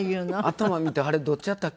頭見てあれどっちやったっけ？